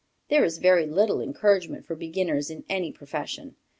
There is very little encouragement for beginners in any profession.